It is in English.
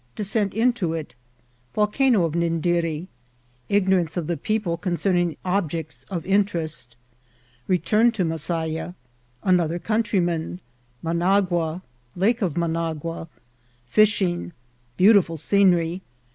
— Descent into it.— Volcano of Nindiri. — Ignorance of the People concerning Objects of Interest.— Return to Masaya. — Another Countryman. — Managua. — Lake of Managua.— Fishing. — Beautiful Scenery.